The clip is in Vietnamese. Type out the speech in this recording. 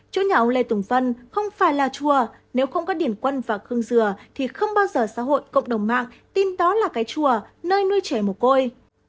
chỗ nhà ông lê tùng vân không phải là chùa nếu không có điển quân và khương dừa thì không bao giờ xã hội cộng đồng mạng tin đó là cái chùa nơi nuôi trẻ mồ côi